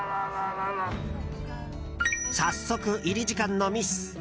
早速、入り時間のミス！